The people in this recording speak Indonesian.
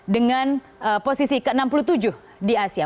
dengan posisi ke enam puluh tujuh di asia